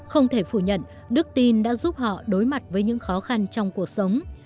không thể phủ nhận đức tin đã giúp họ đối mặt với những khó khăn trong cuộc sống